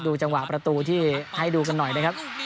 จังหวะประตูที่ให้ดูกันหน่อยนะครับ